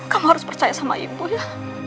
kamu harus percaya sama ibu ya